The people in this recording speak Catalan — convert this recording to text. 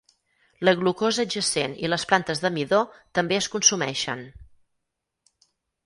La glucosa adjacent i les plantes de midó també es consumeixen.